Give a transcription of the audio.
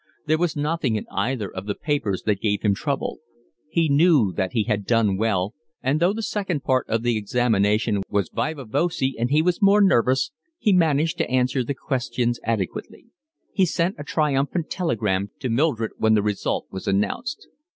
There was nothing in either of the papers that gave him trouble. He knew that he had done well, and though the second part of the examination was viva voce and he was more nervous, he managed to answer the questions adequately. He sent a triumphant telegram to Mildred when the result was announced.